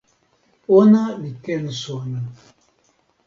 ona li ken sona.